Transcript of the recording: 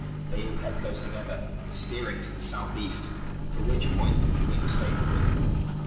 They all kept close together, steering to the south east, for which point the wind was favourable.